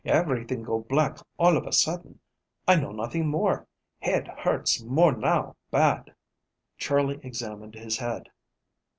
"Everything go black all of a sudden. I know nothing more head hurts more now bad." Charley examined his head.